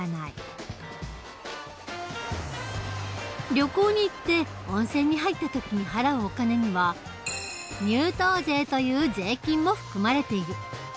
旅行に行って温泉に入った時に払うお金には入湯税という税金も含まれている。